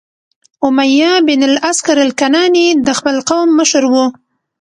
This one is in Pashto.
امیة بن الاسکر الکناني د خپل قوم مشر و،